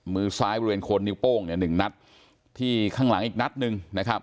มือซ้ายบริเวณคนนิ้วโป้ง๑นัดที่ข้างหลังอีกนัดหนึ่ง